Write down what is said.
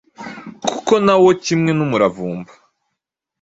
kuko na wo kimwe n’umuravumba,